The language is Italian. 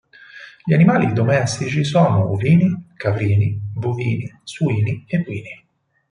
Gli animali domestici sono ovini, caprini, bovini, suini, equini.